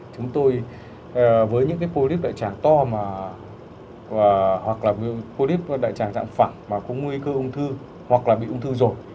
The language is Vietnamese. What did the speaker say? chúng tôi với những cái polyp đại tràng to hoặc là polyp đại tràng dạng phẳng mà có nguy cơ ung thư hoặc là bị ung thư rồi